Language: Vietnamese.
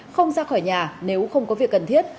không ra khỏi nhà nếu không có việc cần thiết